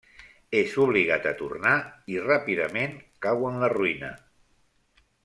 És obligat a tornar i ràpidament cau en la ruïna.